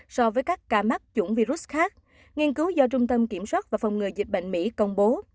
so với các ca mắc chủng virus khác nghiên cứu do trung tâm kiểm soát và phòng ngừa dịch bệnh mỹ công bố